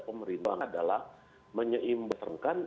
pemerintah adalah menyeimbangkan